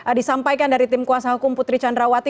yang akan disampaikan dari tim kuasa hukum putri candrawati